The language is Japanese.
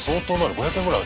５００円ぐらい？